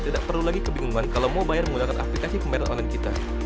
tidak perlu lagi kebingungan kalau mau bayar menggunakan aplikasi pembayaran online kita